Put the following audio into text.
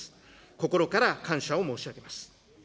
心から感謝を申し上げます。